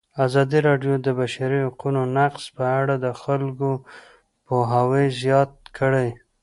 ازادي راډیو د د بشري حقونو نقض په اړه د خلکو پوهاوی زیات کړی.